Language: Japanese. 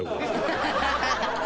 ハハハハ！